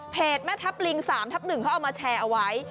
แม่ทัพลิง๓ทับ๑เขาเอามาแชร์เอาไว้